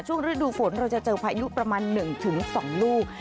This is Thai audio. ฤดูฝนเราจะเจอพายุประมาณ๑๒ลูก